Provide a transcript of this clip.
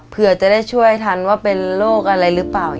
เผื่อจะได้ช่วยทันว่าเป็นโรคอะไรหรือเปล่า